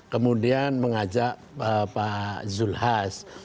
kemudian mengajak pak zulhas